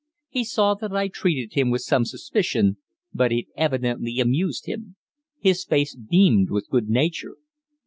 He saw that I treated him with some suspicion, but it evidently amused him. His face beamed with good nature.